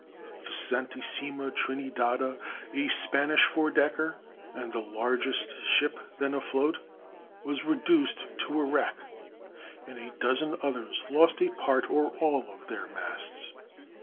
The Santissima Trinidada, a Spanish four decker, and the largest ship then afloat, was reduced to a wreck, and a dozen others lost a part or all of their masts.